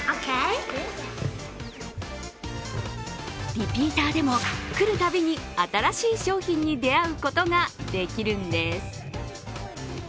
リピーターでも、来るたびに新しい商品に出会うことができるんです。